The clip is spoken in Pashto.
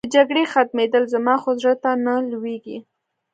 د جګړې ختمېدل، زما خو زړه ته نه لوېږي.